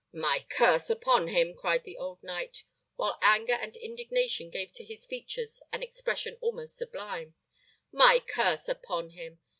"My curse upon him!" cried the old knight, while anger and indignation gave to his features an expression almost sublime; "my curse upon him!